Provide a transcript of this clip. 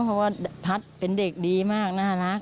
เพราะว่าทัศน์เป็นเด็กดีมากน่ารัก